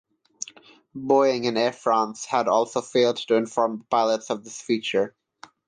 Boeing and Air France had also failed to inform the pilots of this feature.